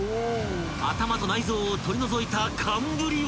［頭と内臓を取り除いた寒ぶりは］